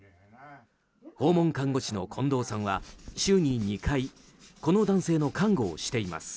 訪問看護師の近藤さんは週に２回この男性の看護をしています。